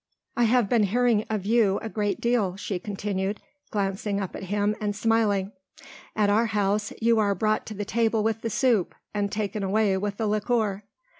"I have been hearing of you a great deal," she continued, glancing up at him and smiling. "At our house you are brought to the table with the soup and taken away with the liqueur.